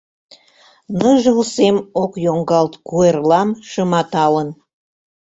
Ныжыл сем ок йоҥгалт куэрлам шыматалын.